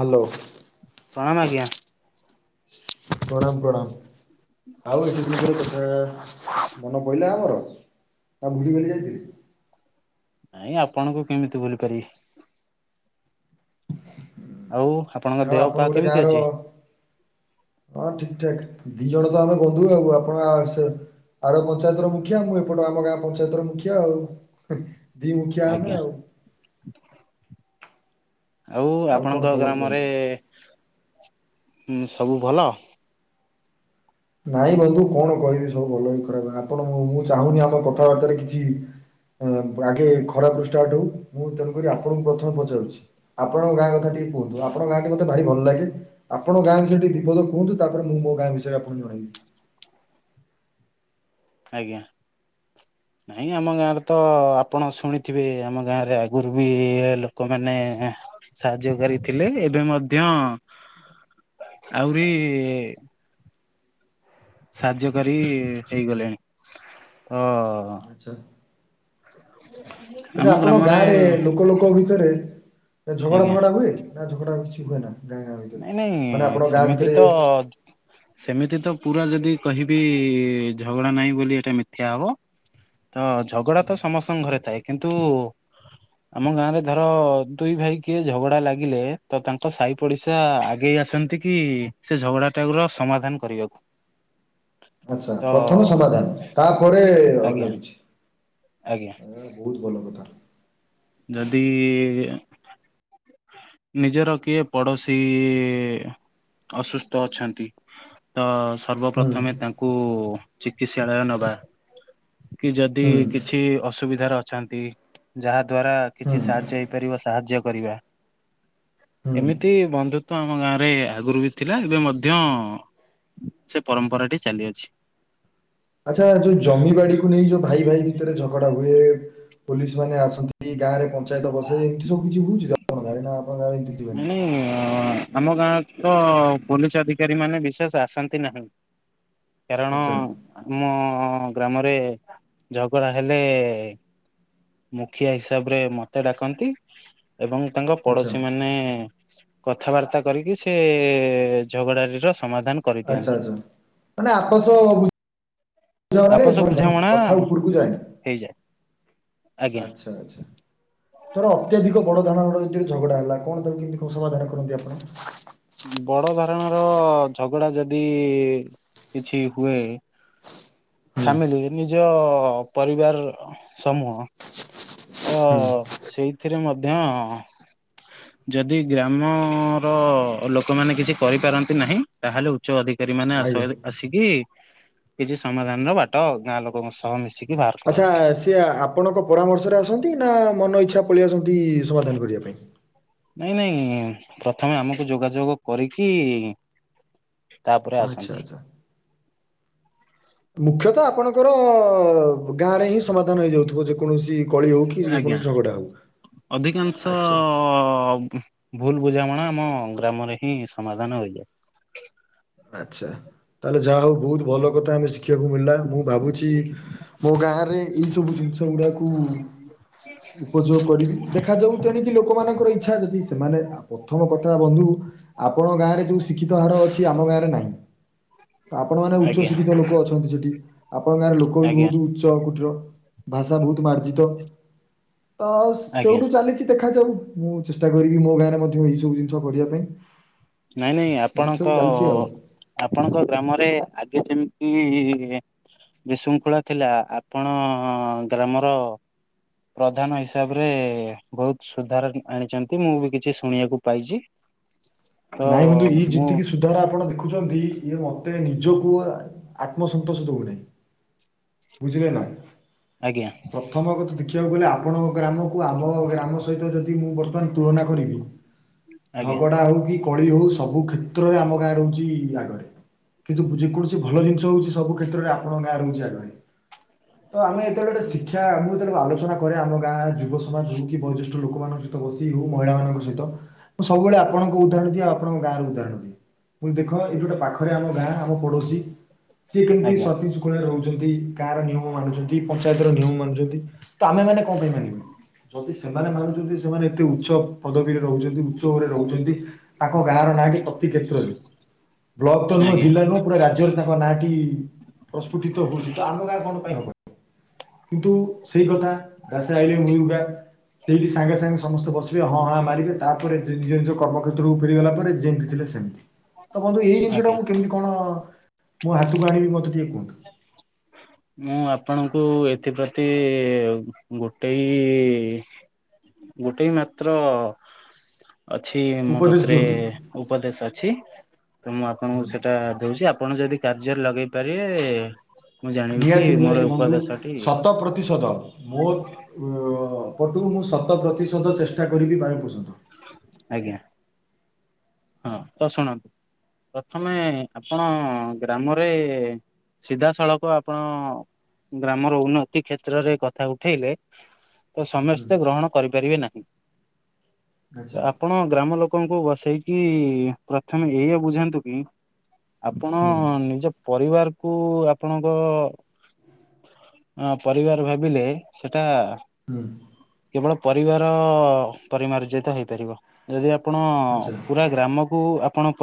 Hello. ପ୍ରଣାମ ଆଜ୍ଞା। ପ୍ରଣାମ ପ୍ରଣାମ। ଆଉ ଏତେ ଦିନ ପରେ କଥା ମନ ପଡ଼ିଲା ଆମର ନା ଭୁଲି ଭାଲି ଯାଇଥିଲେ? ନାଇଁ ଆପଣଙ୍କୁ କେମିତି ଭୁଲି ପାରିବି। ଆଉ? ଆପଣଙ୍କ ଆଉ ଦେହ ପା ଆପଣ ଗୋଟେ କେମିତି ଗାଁର ଅଛି? ହଁ ଠିକ୍ ଠାକ୍ ଦି ଜଣତ ଆମେ ବନ୍ଧୁ ଆଉ ଆପଣ ଆଉସେ ଆର ପଞ୍ଚାୟତର ମୁଖିଆ ମୁଁ ଏପଟ ଆମ ଗାଁ ପଞ୍ଚାୟତର ମୁଖିଆ ଆଉ ଦି ମୁଖିଆ ଆମେ ଆଜ୍ଞା। ଆଉ। ଆଉ କଣ ଆପଣଙ୍କ ଖବର କୁହନ୍ତୁ? ଗ୍ରାମରେ ହୁଁ- ସବୁ ଭଲ? ନାଇଁ ବନ୍ଧୁ କଣ କହିବି ସବୁ ଭଲ କି ଖରାପ ଆପଣ ମୁଁ ଚାହୁଁନି ଆମ କଥାବାର୍ତ୍ତାରେ କିଛି ଆଗେ ଖରାପରୁ ଷ୍ଟାର୍ଟ ହେଉ ମୁଁ ତେଣୁକରି ଆପଣଙ୍କୁ ପ୍ରଥମେ ପଚାରୁଛି। ଆପଣଙ୍କ ଗାଁ କଥା ଟିକେ କୁହନ୍ତୁ ଆପଣ ଗାଁଟି ମତେ ଭାରି ଭଲ ଲାଗେ ଆପଣ ଗାଁ ବିଷୟରେ ଟିକେ ଦିପଦ କୁହନ୍ତୁ ତାପରେ ମୁଁ ମୋ ଗାଁ ବିଷୟରେ ଆପ କୁହନ୍ତୁ ଭାଇ। ଆଜ୍ଞା। ନାଇଁ ଆମ ଗାଁରେତ ଆପଣ ଶୁଣିଥିବେ ଆମ ଗାଁରେ ଆଗରୁବି ଇଏ ଲୋକମାନେ ସାହାଯ୍ୟକାରୀ ଥିଲେ ଏବେ ମଧ୍ୟ ଆହୁରି ସାହାର୍ଯ୍ୟକାରୀ ହେଇଗଲେଣି ତ ଆଚ୍ଛା। [inaudible] ଆଚ୍ଛା ଆପଣଙ୍କ ଗ୍ରାମରେ ଗାଁରେ ଲୋକ ଲୋକ ଭିତରେ ଝଗଡ଼ା ଆଜ୍ଞା ଫଗଡ଼ା ହୁଏ ନା ଝଗଡ଼ା କିଛି ହୁଏନା? ନାଇଁ ନାଇଁ ସେମିତିତ ସେମିତିତ ପୁରା ଯଦି କହିବି ଝଗଡ଼ା ନାଇଁ ବୋଲି ଏଟା ମିଥ୍ୟା ହବ। ତ ହୁଁ, ଝଗଡ଼ାତ ସମସ୍ତଙ୍କ ଘରେ ଥାଏ କିନ୍ତୁ ଆମ ଗାଁରେ ଧର ଦୁଇ ଭାଇ କିଏ ଝଗଡ଼ା ଲାଗିଲେ ତ ତାଙ୍କ ସାଇ ପଡ଼ିଶା ଆଗେଇ ଆସନ୍ତିକି ସେ ଝଗଡ଼ାଟାଉର ସମାଧାନ କରିବାକୁ। ଆଚ୍ଛା ତ ପ୍ରଥମେ ସମାଧାନ ତାପରେ ଆଜ୍ଞା ଅନ୍ୟ କିଛି। ଆଜ୍ଞା। ବହୁତ୍ ଭଲ। କଥା ଯଦି ନିଜର କିଏ ପଡ଼ୋଶୀ ଅସୁସ୍ଥ ଅଛନ୍ତି ତ ହୁଁ ସର୍ବପ୍ରଥମେ ତାଙ୍କୁ ଚିକିତ୍ସାଳୟ ନବା। କି ଯଦି ହୁଁ କିଛି ଅସୁବିଧାରେ ଅଛନ୍ତି ଯାହା ଦ୍ୱାରା ହୁଁ କିଛି ସାହାଯ୍ୟ ହେଇ ପାରିବ ସାହାଯ୍ୟ କରିବା। ହୁଁ ଏମିତି ବନ୍ଧୁତ୍ଵ ଆମ ଗାଁରେ ଆଗରୁବି ଥିଲା ଏବେ ମଧ୍ୟ ସେ ପରମ୍ପରାଟି ଚାଲିଅଛି। ଆଚ୍ଛା ଏଯଉ ଜମି ବାଡ଼ିକୁ ନେଇ ଯଉ ଭାଇ ଭାଇ ଭିତରେ ଝଗଡ଼ା ହୁଏ ପୋଲିସ୍ ମାନେ ଆସନ୍ତି ଗାଁରେ ପଞ୍ଚାୟତ ବସେ ଏମିତି ସବୁ କିଛି ହଉଚି ଆପଣ ଗାଁରେ ନା ଆପଣା ଗାଁରେ ଏମିତି କିଛି ହୁଏନା? ନାଁଇ ଆମ ଗାଁକୁତ ପୋଲିସ୍ ଅଧିକାରୀ ମାନେ ବିଶେଷ୍ ଆସନ୍ତି ନାହିଁ। କାରଣ ଆଚ୍ଛା ଆମ ଗ୍ରାମରେ ଝଗଡ଼ା ହେଲେ ମୁଖିଆ ହିସାବରେ ମତେ ଡାକନ୍ତି ଏବଂ ତାଙ୍କ ଆଚ୍ଛା ପଡୋଶୀ ମାନେ କଥାବାର୍ତ୍ତା କରିକି ସେ ଝଗଡାଟିର ସମାଧାନ ଆଚ୍ଛା କରିଦିଅନ୍ତି। ଆଛା ମାନେ ଆପଣ ବୁ ଆପୋଷ ରେ ବୁଝାମଣା କଥା ଉପରକୁ ଯାଏନି। ହେଇଯାଏ। ଆଜ୍ଞା। ଆଚ୍ଛା ଆଚ୍ଛା। ଧର ଅତ୍ୟଧିକ ବଡ ଧରଣର ଝଗଡା ହେଲା କଣ ତାକୁ କେମିତି କଣ୍ ସମାଧାନ କରନ୍ତି ଆପଣ? ବଡ ଧରଣର ଝଗଡା ଯଦି କିଛି ହୁଏ। ହୁଁ ଫାମିଲି ନିଜ ପରିବାର ସମୂହ ତ ହୁଁ ସେଇଥିରେ ମଧ୍ୟ ଯଦି ଗ୍ରାମର ଲୋକମାନେ କିଛି କରିପାରନ୍ତି ନାହିଁ ତାହେଲେ ଉଚ୍ଚ ଅଧିକାରୀ ମାନେ ଆସ ଆଜ୍ଞା -ଆସିକି କିଛି ସମାଧାନର ବାଟ ଗାଁ ଲୋକଙ୍କ ସହ ମିଶି ଆଚ୍ଛା ସିଏ ଆପଣଙ୍କ ପରାମର୍ଶରେ ଆସନ୍ତି ନା ମନ ଇଚ୍ଛା ପଳେଇ ଆସନ୍ତି ସମାଧାନ କରିବା ପାଇଁ? ନାଇଁ ନାଇଁ ପ୍ରଥମେ ଆମକୁ ଯୋଗାଯୋଗ କରିକି ତାପରେ ଆଚ୍ଛା ଆସନ୍ତି ଆଚ୍ଛା ମୁଖ୍ୟତ ଆପଣଙ୍କର ଗାଁରେ ହିଁ ସମାଧାନ ହେଇଯାଉଥିବ ଯେ କୌଣସି କଳି ହଉ କି ଆଜ୍ଞା କୌଣସି ଝଗଡା ହଉ। ଅଧିକାଂଶ ଆଚ୍ଛା ଅ ଭୁଲ୍ ବୁଝାମଣା ଆମ ଗ୍ରାମରେ ହିଁ ସମାଧାନ ହୋଇଯାଏ। ଆଚ୍ଛା ତାହେଲେ ଯାହା ହଉ ବହୁତ୍ ଭଲ କଥା ଆମେ ଶିଖିବାକୁ ମିଳିଲା ମୁଁ ଭାବୁଚି ମୋ ଗାଁରେ ଏଇ ସବୁ ଜିନିଷ ଗୁଡ଼ାକୁ ଉପଯୋଗ କରିବି ଦେଖାଯାଉ ତେଣିକି ଲୋକମାନଙ୍କର ଇଚ୍ଛା ଯଦି ସେମାନେ ପ୍ରଥମ କଥା ବନ୍ଧୁ ଆପଣ ଗାଁ ରେ ଯୋଉ ଶିକ୍ଷିତ ହାର ଅଛି ଆମ ଗାଁ ରେ ଆପଣ ମାନେ ଉଚ୍ଚ ଆଜ୍ଞା ଶିକ୍ଷିତ ଲୋକ ଅଛନ୍ତି ସେଠି ଆପଣଙ୍କ ଗାଁରେ ଲୋକ ବି ଆଜ୍ଞା ବହୁତ ଉଚ୍ଚ [unintelligible] ଭାଷା ବହୁତ ମାର୍ଜିତ। ତ ଆଜ୍ଞା ସେଉଠୁ ଚାଲିଛି ଦେଖାଯାଉ ମୁଁ ଚେଷ୍ଟା କରିବି ମୋ ଗାଁରେ ମଧ୍ୟ ଏଇ ସବୁ ଜିନିଷ କରିବା ପାଇଁ। ନାଇଁ ନାଇଁ ଏମିତି ସବୁ ଆପଣଙ୍କ ଚାଲିଛି ଆଉ। ଆପଣଙ୍କ ଗ୍ରାମରେ ଆଗେ ଯେମିତି ବିଶୃଙ୍ଖଳା ଥିଲା ଆପଣ ଗ୍ରାମର ପ୍ରଧାନ ହିସାବରେ ବହୁତ ସୁଧାର ଆଣିଛନ୍ତି ମୁଁ ବି କିଛି ଶୁଣିବାକୁ ପାଇଛି। ତ ନାଇଁ ବନ୍ଧୁ ଇଏ ମୁଁ ଯେତିକି ସବୁ ସୁଧାର ଆପଣ ଦେଖୁଛନ୍ତି ଇଏ ମୋତେ ନିଜକୁ ଆତ୍ମସନ୍ତୋଷ ହଉନାହିଁ। ବୁଝିଲେ ନା? ଆଜ୍ଞା। ପ୍ରଥମ କଥା ଦେଖିବାକୁ ଗଲେ ଆପଣଙ୍କ ଗ୍ରାମକୁ ଆମ ଗ୍ରାମ ସହିତ ଯଦି ମୁଁ ବର୍ତ୍ତମାନ ତୁଳନା କରିବି? ଆଜ୍ଞା ଝଗଡ଼ା ହଉ କି କଳି ହଉ ସବୁ କ୍ଷେତ୍ରରେ ଆମ ଗାଁ ରହୁଛି ଆଗରେ। କିନ୍ତୁ ଯେକୌଣସି ଭଲ ଜିନିଷ ହଉଛି ସବୁ କ୍ଷେତ୍ରରେ ଆ ଆପଣଙ୍କ ଗାଁ ରହୁଛି ଆଗରେ ତ ଆମେ ଯେତେବେଳେ ଗୋଟେ ଶିକ୍ଷା ମୁଁ ଯେତେବେଳେ ଆଲୋଚନା କରେ ଆମ ଗାଁ। ଯୁବ ସମାଜ ହଉ କି ବୟୋଜ୍ୟେଷ୍ଠ ଲୋକମାନଙ୍କ ସହିତ ବସି ହଉ ମହିଳା ମାନଙ୍କ ସହିତ ମୁ ସବୁବେଳେ ଆପଣଙ୍କ ଉଦାହରଣ ଦିଏ ଆଉ ଆପଣଙ୍କ ଗାଁ ର ଉଦାହରଣ ଦିଏ ପୁଣି ଦେଖ ଏଠ ଗୋଟେ ପାଖରେ ଆମ ଗାଁ ଆମ ପଡୋଶୀ ସିଏ କେମିତି ଆଜ୍ଞା ସତିଜ କୋଣରେ ରହୁଛନ୍ତି ଗାଁ ର ନିୟମ ମାନୁଛନ୍ତି ପଞ୍ଚାୟତ ର ନିୟମ ମାନୁଛନ୍ତି। ତ ଆମେ ମାନେ କଣ ପାଇଁ ମାନିବେ ଯଦି ସେମାନେ ମାନୁଛନ୍ତି ସେମାନେ ଏତେ ଉଚ୍ଚ ପଦବୀରେ ରହୁଛନ୍ତି ଉଚ୍ଚରେ ରହୁଛନ୍ତି। ତାଙ୍କ ଗାଁ ର ନାଁ ଟି ପ୍ରତି କ୍ଷେତ୍ରରେ ବ୍ଲକ ତ ନୁହଁ ଆଜ୍ଞା ଜିଲ୍ଲା ନୁହଁ ପୁରା ରାଜ୍ୟରେ ତାଙ୍କ ନାଁ ଟି ପ୍ରସ୍ଫୁଟିତ ହଉଛି ତ ଆମ ଗାଁ କଣ ପାଇଁ ହବନି କିନ୍ତୁ ସେଇ କଥା ଦାସେ ଆଇଲେ ମୁଳରୁ ଗା ସେଇଠି ସାଙ୍ଗେ ସାଙ୍ଗେ ସମସ୍ତେ ବସିବେ ହଁ ହାଁ ମାରିବେ ତାପରେ ନିଜ ନିଜ କର୍ମ କ୍ଷେ ତ୍ର କୁ ଫେରି ଗଲା ପରେ ଯେମିତି ଥିଲେ ସେମତି ତ ବନ୍ଧୁ ଏଇ ଜିନିଷଟା ଆଜ୍ଞା ମୁଁ କେମିତି କ କଣ ମୋ ହାତକୁ ଆଣିବି ମତେ ଟିକେ କୁହନ୍ତୁ ମୁଁ ଆପଣଙ୍କୁ ଏଥିପ୍ରତି ଗୋଟେ ଗୋଟେ ମାତ୍ର ଅଛି ମୋ ଉପଦେଶ କତିରେ ଦିଅନ୍ତୁ। ଉପଦେଶ ଅଛି ତ ମୁଁ ଆପଣଙ୍କୁ ସେଇଟା ଦଉଛି ଆପଣ ଯଦି କାର୍ଯ୍ୟରେ ଲଗେଇ ପାରିବେ ମୁଁ ଜାଣିବି କି ନିହାତି ମୋର ନିହାତି ବନ୍ଧୁ ଉପଦେଶଟି ଶତ ପ୍ରତିଶତ ମୋର୍ ପଟୁ ମୁଁ ଶତ ପ୍ରତିଶତ ଚେଷ୍ଟା କରିବି ବାର ପ୍ରଶତ ଆଜ୍ଞା ହଁ ତ ଶୁଣନ୍ତୁ ପ୍ରଥମେ ଆପଣ ଗ୍ରାମରେ ସିଧା ସଳଖ ଆପଣ। ଗ୍ରାମର ଉନ୍ନତି କ୍ଷେତ୍ରରେ କଥା ଉଠେଇଲେ ତ ସମସ୍ତେ ଗ୍ରହଣ କରିପାରିବେ ନାହିଁ ଆଚ୍ଛା ତ ଆପଣ ଗ୍ରାମ ଲୋକଙ୍କୁ ବସେଇ କି ପ୍ରଥମେ ଏଇଆ ବୁଝାନ୍ତୁ କି ଆପଣ ନିଜ ପରିବାରକୁ ଆପଣଙ୍କ ଅଁ ପରିବାର ଭାବିଲେ ସେଟା କେବଳ ପରିବାର ପରିମାର୍ଜିତ ହେଇପାରିବ ଯଦି ଆପଣ ଆଚ୍ଛା ପୁରା ଗ୍ରାମକୁ ଆପଣ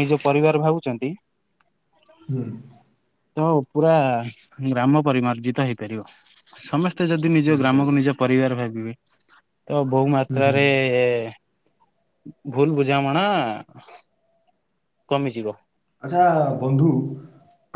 ନିଜ ପରିବାର ଭାବୁଛନ୍ତି ହୁଁ ତ ପୁରା ଗ୍ରାମ ପରିମାର୍ଜିତ ହେଇପାରିବ ସମସ୍ତେ ତ ଯଦି ନିଜ ଆଚ୍ଛା ଗ୍ରାମକୁ ନିଜ ପରିବାର ଭାବିବେ ତ ବହୁ ଆଚ୍ଛା ମାତ୍ରାରେ ଭୁଲ ବୁଝାମଣା କମିଯିବ। ଆଚ୍ଛା ବନ୍ଧୁ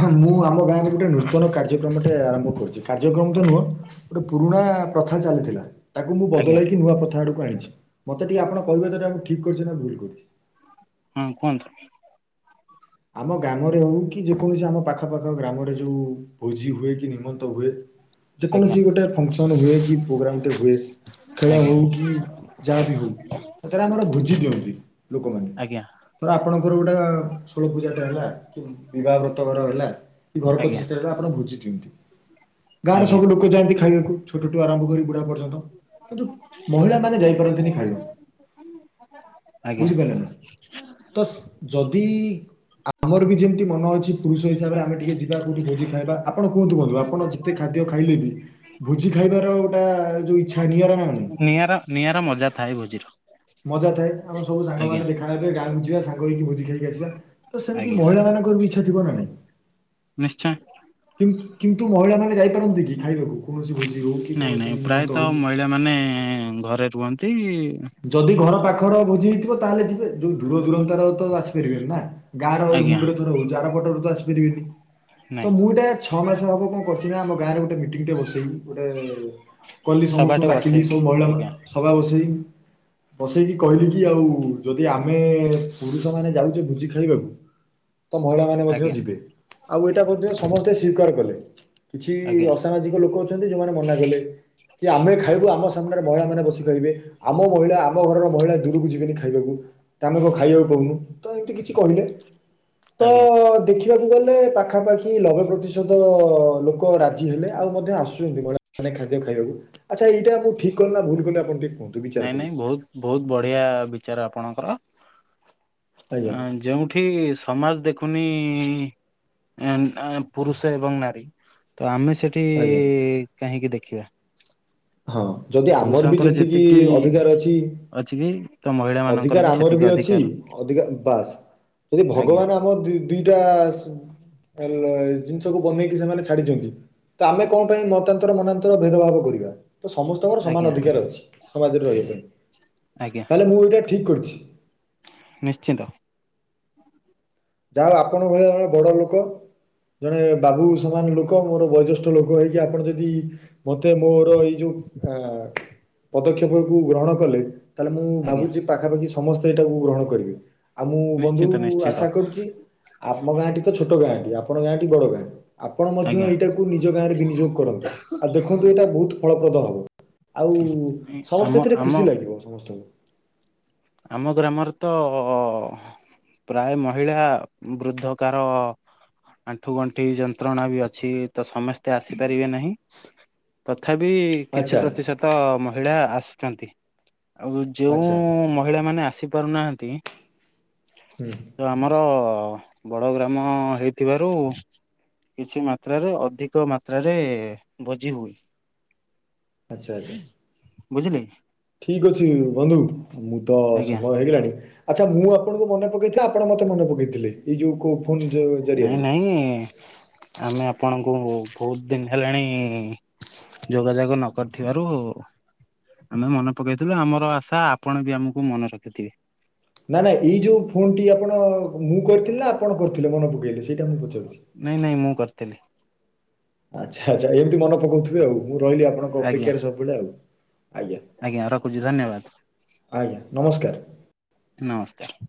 ହଁ ମୁଁ ଆମ ଗାଁରେ ଗୋଟେ ନୂତନ କାର୍ଯ୍ୟକ୍ରମଟେ ଆରମ୍ଭ କରୁଚି କାର୍ଯ୍ୟକ୍ରମ ତ ନୁହଁ ଗୋଟେ ପୁରୁଣା ପ୍ରଥା ଚାଲିଥିଲା। ତାକୁ ମୁଁ ଆଜ୍ଞା ବଦଳେଇକି ନୂଆ ପ୍ରଥା ଆଡ଼କୁ ଆଣିଛି ମତେ ଟିକେ ଆପଣ କହିଵେ ଯେ ଏଟା ମୁଁ ଠିକ୍ କରିଚି ନା ଭୁଲ କରିଚି। ହଁ କୁହନ୍ତୁ। ଆମ ଗ୍ରାମରେ ହୋଉ କି ଯେକୌଣସି ଆମ ପାଖପାଖ ଗ୍ରାମରେ ଯୋଉ ଭୋଜି ହୁଏ କି ନିମନ୍ତ ହୁଏ ଆଜ୍ଞା ଯେକୌଣସି ଗୋଟେ ଫଙ୍କସନ ହୁଏ କି ପ୍ରୋଗ୍ରାମ ଟେ ହୁଏ ଖେଳ ଆଜ୍ଞା ହଉ କି ଯାହା ବିି ହୋଉ କଥାଟା ଆମର ବୁଝି ଦିଅନ୍ତି ଲୋକମାନେ। ଆଜ୍ଞା ଧର ଆପଣଙ୍କର ଗୋଟେ [unintelligible] ପୂଜାଟା ହେଲା କି ବିବାହ ବ୍ରତ ଘର ହେଲା କି ଘର ଆଜ୍ଞା ପ୍ରଚିଷ୍ଟା ହେଲା ଆପଣ ଭୋଜି ଦିଅନ୍ତି। ଗାଁରେ ଆଜ୍ଞା ସବୁ ଲୋକ ଯାଆନ୍ତି ଖାଇବାକୁ ଛୋଟଠୁ ଆରମ୍ଭ କରି ବୁଢା ପର୍ଯ୍ୟନ୍ତ। କିନ୍ତୁ ମହିଳା ମାନେ ଯାଇପାରନ୍ତିନି ଖାଇଵା ବାକୁ। ଆଜ୍ଞା। ନା ତ ଯଦି ଆମର ବି ଯେମିତି ମନ ଅଛି ପୁରୁଷ ହିସାବରେ ଆମେ ଟିକେ ଯିବା କୋଉଠି ଭୋଜି ଖାଇବା ଆପଣ କୁହନ୍ତୁ ବନ୍ଧୁ ଆପଣ ଯି ଯେତେ ଖାଦ୍ୟ ଖାଇଲେ ବି ଭୋଜି ଖାଇବାର ଗୋଟା ଯୋଉ ଇଚ୍ଛା ନିଆରା। ନାହିଁ ନିଆରା ନିଆରା ମଜା ଥାଏ ଭୋଜିର। ମଜା ଥାଏ ଆମର ସବୁ ଆଜ୍ଞା ସାଙ୍ଗମାନେ ଦେଖାହେବେ ଗାଁକୁ ଯିବା ସାଙ୍ଗ ହେଇକି ଭୋଜି ଖାଇକି ଆସିବା। ତ ସେମିତି ଆଜ୍ଞା ମହିଳା ମାନଙ୍କର ବି ଇଚ୍ଛା ଥିବ ନା ନାାଇଁ। ନିଶ୍ଚୟ। କିନ୍ତୁ ମହିଳା ମାନେ ଯାଇପାରନ୍ତି କି ଖାଇବାକୁ କୌଣସି ଭୋଜି ହୋଉ କି କୌଣସି ନିମନ୍ତ ହୋଉ। ମାନେ ଘରେ ରୁହନ୍ତି। ଯଦି ଘର ପାଖର ଭୋଜି ଥିବ ତାହେଲେ ଯିବେ ଯୋଉ ଦୂର ଦୂୁରତାର ତ ଆସିପାରିବେନି ନା ଗାଁ ର ଏ ଆଜ୍ଞା ମୁଣ୍ଡ ରେ ଧର ହଉଚି ଆର ପଟରୁ ଆସିପା ପାରିବେନି ନାଇଁ ତ ମୁଁ ଟେ ଛଅ ମାସ ହବ କଣ କରଚି ନା ଆମ ଗାଁରେ ଗୋଟେ ମିଟିଙ୍ଗି ଟେ ବସେଇ ଗୋଟେ କଲି ସଭାଟେ ସମସ୍ତଙ୍କୁ ଡାକିଲି ବସେଇକି ସବୁ ମହିଳା ଆଜ୍ଞା ମାନଙ୍କୁ ସଭା ବସେଇ ବସେଇକି କହିଲି କି ଆଉ ଯଦି ଆମେ ପୁରୁଷ ମାନେ ଯାଉଚେ ଭୋଜି ଖାଇବାକୁ ତ ମହିଳା ମାନେ ମଧ୍ୟ ଆଜ୍ଞା ଯିବେ ଆଉ ଏଇଟା ମଧ୍ୟ ସମସ୍ତେ ସିଉକାର କଲେ। କିଛି ଆଜ୍ଞା ଅସାମାଜିକ ଲୋକ ଯୋଉମାନେ ମନା କଲେ କି ଆମେ ଖାଇବୁ ଆମ ସାମ୍ନାରେ ମହିଳା ମାନେ ବସି ପାରିବେ ଆମ ମହିଳା ଆମ ଘରର ମହିଳା ଦୂରୁକୁ ଯିବେନି ଖାଇବାକୁ। ତାଙ୍କୁ କଣ ଖାଇବାକୁ ଦୋଉନୁ ତ ଏମିତି କିଛି କହିଲେ ତ ଆଜ୍ଞା ଦେଖୀ ଦେଖିବାକୁ ଗଲେ ପାଖାପାଖି ନବେ ପ୍ରତିଶତ ଲୋକ ରାଜି ହେଲେ ଆଉ ମଧ୍ୟ ଆସୁଛନ୍ତି [unintelligible] ମାନେ ଖାଦ୍ୟ ଖାଇବାକୁ ଆଚ୍ଛା ଏଇଟା ମୁ ଠିକ କଲି ନା ଭୁଲ କଲି ଆପଣ ଟି ନାଇଁ ନାଇଁ ବୋହୁତ ବୋହୁତ ବଢିଆ ବିଚାର ଆପଣଙ୍କର ଆଜ୍ଞା ଆଁ ଯୋଉଠି ସ ଯେଉଠି ସମାଜ ଦେଖୁନି ପୁରୁଷ ଏବଂ ନାରୀ ତ ଆମେ ସେଠି ଠୀ ଆଜ୍ଞା କାହିଁକି ଦେଖିବା। ହଁ ଯଦି ଆମର ବି ଯେତିକି ଅଧିକାର ଅଛି ଅଛି କି ତ ମହିଳା ମାନଙ୍କର ଅଧିକାର ଆମର ସେତିକି ବି ଅଛି ଅଧିକାର ଅଧିକା ବାସ ଯଦି ଆଜ୍ଞା ଭଗବାନ ଆମ ଦି ଦିଟା ଜିନିଷକୁ ବନେଇକି ସେମାନେ ଛାଡିଚନ୍ତି। ତ ଆମେ କଣ ପାଇଁ ମତାନ୍ତର ମନାନ୍ତର ଭେଦଭାବ କରିବା। ତ ସମସ୍ତଙ୍କର ସମାନ ଆଜ୍ଞା ଅଧିକାର ଅଛି ସମାଜରେ ରହିବା ପାଇଁ ତାହେଲେ ମୁଁ ଏଇଟା ଠିକ୍ କରିଛି। ନିଶ୍ଚିତ। ଯାହା ହୋଉ ଆପଣଙ୍କ ଭଳିଆ ଜଣେ ବଡ ଲୋକ ଜଣେ ବାବୁ ସମାନ ଲୋକ ମୋର ବୟୋଜ୍ୟେଷ୍ଠ ଲୋକ ହେଇକି ଆପଣ ଯଦି ମତେ ମୋର ଏଇ ଯୋଉ ଆ ପଦକ୍ଷେପ କୁ ଗ୍ରହଣ କଲେ। ତାହେଲେ ମୁଁ ଆଜ୍ଞା ଭାବୁଛି ପାଖାପାଖି ସମସ୍ତେ ଏଇଟାକୁ ଗ୍ରହଣ କରିବେ ଆଉ ମୁଁ ବନ୍ଧୁ ନିଶ୍ଚିନ୍ତ ନିଶ୍ଚିନ୍ତ ଆଶା କରୁ ଆମ ଗାଁଟି ତ ଛୋଟ ଗାଁଟି ଆପଣ ଗାଁଟି ବଡ ଗାଁ ଆପଣ ମଧ୍ୟ ଆଜ୍ଞା ଏଇଟା ନିଜ ଗାଁରେ ବିନିଯୋଗ କରନ୍ତୁ ଆଉ ଦେଖନ୍ତୁ ଏଇଟା ବହୁତ ଫଳପ୍ରଦ ହବ। ଆଉ ଆମ ସମସ୍ତେ ଏଥିରେ ଆମ ଖୁସି ଲାଗିବ ସମସ୍ତଙ୍କୁ। ଆମ ଗ୍ରାମରେ ତ ପ୍ରାୟ ମହିଳା ବୃଦ୍ଧକାର ଆଣ୍ଠୁ ଗଣ୍ଠି ଯନ୍ତ୍ରଣା ବି ଅଛି ତ ସମସ୍ତେ ଆସିପାରିବେ ନାହିଁ। ତଥାପି କିଛି ଆଚ୍ଛା ପ୍ରତିଶତ ମହିଳା ଆସୁଛନ୍ତି ଆଉ ଯେଉ ଆଚ୍ଛା ମହିଳା ମାନେ ଆସି ପାରୁନାହାନ୍ତି ହୁଁ ତ ଆମର ବଡ ଗ୍ରାମ ହେଇଥିବାରୁ କିଛି ମାତ୍ରାରେ ଅଧିକ ମାତ୍ରାରେ ଭୋଜି ହୁଏ। ଆଚ୍ଛା ଆଚ୍ଛା। ବୁଝିଲେ। ଠିକ ଅଛି ବନ୍ଧୁ ମୁଁ ତ ଆଜ୍ଞା ସମୟ ହେଇଗଲାଣି। ଆଚ୍ଛା ମୁଁ ଆପଣଙ୍କୁ ମନେ ପକେଇଥା ଆପଣ ମତେ ମନ ପକେଇଥିଲେ ଏଇ ଯୋଉ ପୁ ଯେ ନାଇଁ ନାଇଁ ଆମେ ଆପଣଙ୍କୁ ବହୁତ ଦିନି ହେଲାଣି। ଯୋଗାଯୋଗ ନ କରିଥିବାରୁ। ଆମେ ମନେ ପକେଇଥିଲୁ ଆମର ଆଶା ଆପଣ ବି ଆମକୁ ମନେ ରଖିଥିବେ। ନା ନା ଏଇ ଯୋଉ ଫୋନ ଟି ଆପଣ ମୁଁ କରିଥିଲେ ନା ଆପଣ କରିଥିଲେ ମନେ ପକେଇଲେ ସେଇଟା ମୁଁ କହୁଛି। ନାଇଁ ନାଇଁ ମୁଁ କରିଥିଲି। ଆଚ୍ଛା ଆଚ୍ଛା ଏମିତି ମନ ପକଉଥିବେ ଆଉ ମୁଁ ରହିଲି ଆପଣଙ୍କ ଆଜ୍ଞା ଅପେକ୍ଷାରେ ସବୁବେଳେ ଆଉ। ଆଜ୍ଞା ରଖୁଛି ଧନ୍ୟବାଦ। ଆଜ୍ଞା ନମସ୍କାର। ନମସ୍କାର।